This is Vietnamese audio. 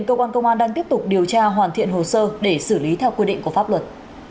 cơ quan công an đang tiếp tục điều tra hoàn thiện hồ sơ để xử lý theo quy định của pháp luật